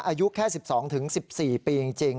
อายุแค่๑๒๑๔ปีจริง